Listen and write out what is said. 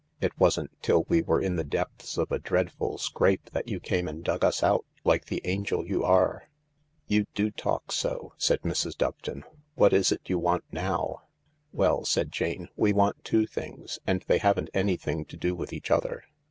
It wasn't till we were in the depths of a dread ful scrape that you came and dug us out, like the angel you are." " You do talk so," said Mrs. Doveton. " What is it you want now ?"" Well," said Jane, " we want two things, and they haven't anything to do with each other."